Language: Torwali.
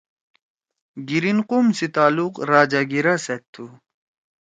گیرین قوم سی تعلق راجا گیرا سیت تُھو۔